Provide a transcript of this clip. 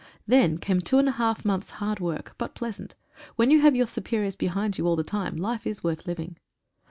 Then came two and a half months hard work, but pleasant — when you have your superiors behind you all the time life is worth living.